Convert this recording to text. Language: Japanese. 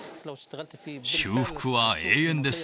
修復は永遠です